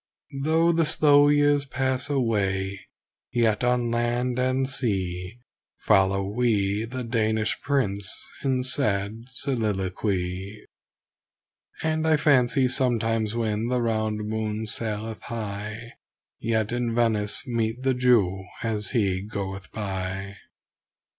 Though the slow years pass away, yet on land and sea, Follow we the Danish Prince in sad soliloquy; And I fancy sometimes when the round moon saileth high Yet in Venice meet the Jew as he goeth by.